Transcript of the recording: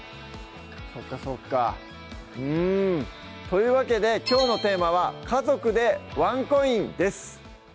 そっかそっかうんというわけできょうのテーマは「家族でワンコイン」です